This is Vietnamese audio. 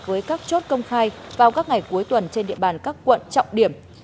với các chốt công khai vào các ngày cuối tuần trên địa bàn các quận trọng điểm